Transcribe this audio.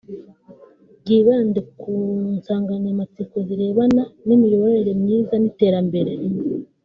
byibande ku nsanganyamatsiko zirebana n’imiyoborere myiza n’iterambere